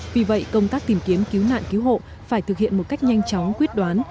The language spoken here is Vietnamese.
vì vậy công tác tìm kiếm cứu nạn cứu hộ phải thực hiện một cách nhanh chóng quyết đoán